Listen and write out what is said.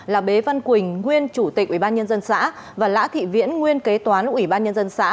là bế văn quỳnh nguyên chủ tịch ủy ban nhân dân xã và lã thị viễn nguyên kế toán ủy ban nhân dân xã